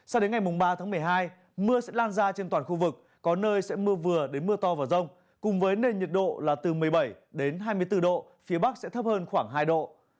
sao đến ngày ba tháng một mươi hai mưa sẽ lan ra trên toàn khu vực có nơi sẽ mưa vừa đến mưa to và rông cùng với nền nhiệt độ là từ một mươi bảy đến hai mươi bốn độ phía bắc sẽ thấp hơn khoảng hai độ